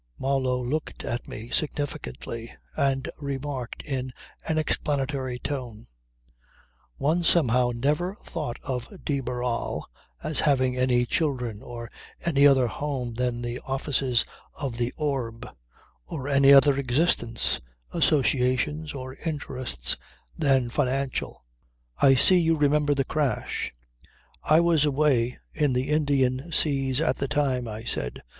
Marlow looked at me, significantly, and remarked in an explanatory tone: "One somehow never thought of de Barral as having any children, or any other home than the offices of the "Orb"; or any other existence, associations or interests than financial. I see you remember the crash ..." "I was away in the Indian Seas at the time," I said.